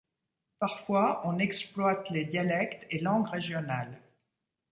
Parfois, on exploite les dialectes et langues régionales.